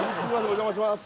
お邪魔します